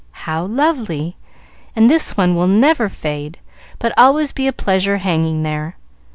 "How lovely! and this one will never fade, but always be a pleasure hanging there.